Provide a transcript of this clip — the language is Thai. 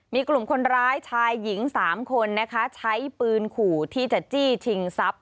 มีกลุ่มคนร้ายชายหญิง๓คนนะคะใช้ปืนขู่ที่จะจี้ชิงทรัพย